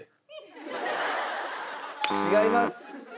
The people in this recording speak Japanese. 違います。